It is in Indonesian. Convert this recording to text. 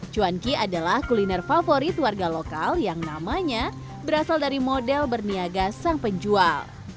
cuanki adalah kuliner favorit warga lokal yang namanya berasal dari model berniaga sang penjual